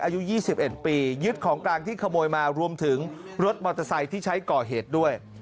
อายุ๒๑ปียึดของกลางที่ขโมยมารวมถึงรถมอเตอร์ไซค์ที่ใช้ก่อเหตุด้วย